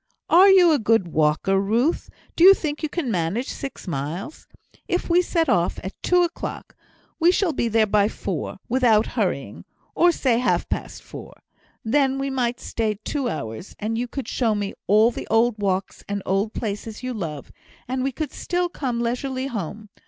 "Are you a good walker, Ruth? Do you think you can manage six miles? If we set off at two o'clock, we shall be there by four, without hurrying; or say half past four. Then we might stay two hours, and you could show me all the old walks and old places you love, and we could still come leisurely home.